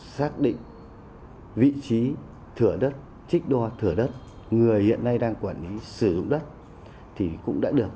xác định vị trí thửa đất trích đo thửa đất người hiện nay đang quản lý sử dụng đất thì cũng đã được